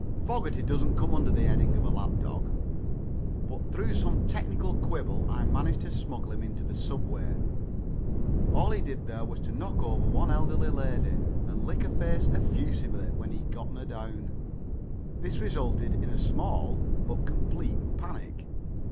Fogerty doesn't come under the heading of a lap dog, but through some technical quibble I managed to smuggle him into the subway. All he did there was to knock over one elderly lady and lick her face effusively when he had gotten her down. This resulted in a small but complete panic.